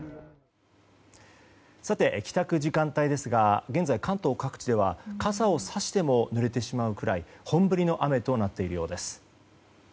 さて、帰宅時間帯ですが現在、関東各地で傘をさしてもぬれてしまうくらい本降りの雨となっているようです。